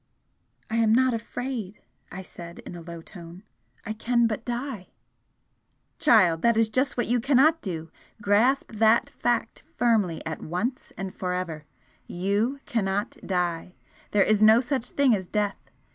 "I am not afraid!" I said, in a low tone "I can but die!" "Child, that is just what you cannot do! Grasp that fact firmly at once and for ever! You cannot die, there is no such thing as death!